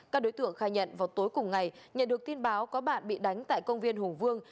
các đối tượng khai nhận vào tối cùng ngày nhận được tin báo có bạn bị đánh tại công viên hùng vương